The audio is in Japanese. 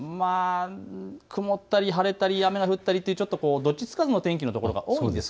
曇ったり晴れたり雨が降ったり、どっちつかずの天気の所が多いんです。